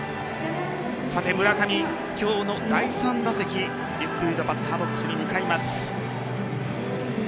村上、今日の第３打席ゆっくりとバッターボックスに向かいます。